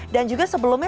dan juga sebelumnya